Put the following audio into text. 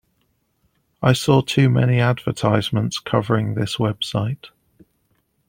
I saw too many advertisements covering this website.